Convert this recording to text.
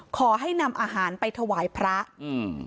ขอให้นำอาหารไปถวายพระอืม